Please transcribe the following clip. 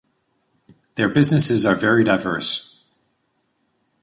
Their businesses are very diverse.